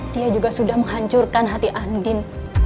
dia juga sudah menghancurkan hati andin